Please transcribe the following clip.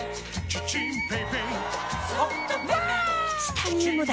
チタニウムだ！